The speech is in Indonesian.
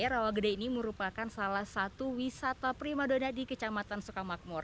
rawagede ini merupakan salah satu wisata primadona di kecamatan soekamakmur